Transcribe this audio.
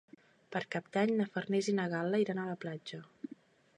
Per Cap d'Any na Farners i na Gal·la iran a la platja.